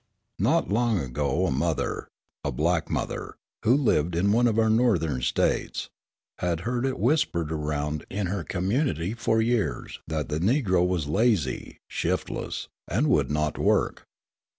Not long ago a mother, a black mother, who lived in one of our Northern States, had heard it whispered around in her community for years that the Negro was lazy, shiftless, and would not work.